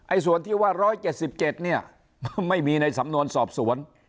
ไอ้สวนที่ว่าร้อยเจ็ดสิบเจ็ดเนี่ยไม่มีในสำนวณสอบสวน